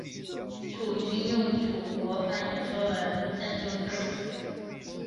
楚军用楚国方言说了一阵就退了出去。